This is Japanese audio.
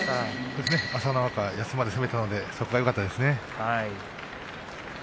朝乃若が休まず攻めたのでそこがよかったですね。